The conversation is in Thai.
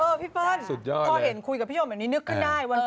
พี่เปิ้ลตอนเห็นคุยกับพี่ยอดเหมือนนี้นึกขึ้นได้